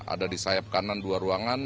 ada di sayap kanan dua ruangan